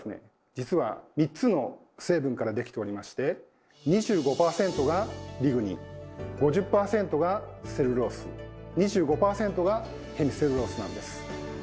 実は３つの成分からできておりまして２５％がリグニン５０％がセルロース２５％がヘミセルロースなんです。